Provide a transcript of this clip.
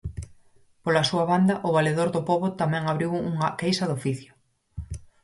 Pola súa banda, o Valedor no Pobo tamén abriu unha queixa de oficio.